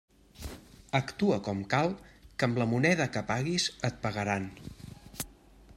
Actua com cal, que amb la moneda que paguis et pagaran.